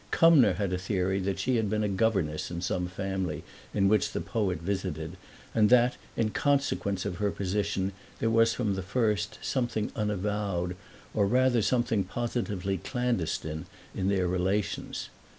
Cumnor had a theory that she had been a governess in some family in which the poet visited and that, in consequence of her position, there was from the first something unavowed, or rather something positively clandestine, in their relations.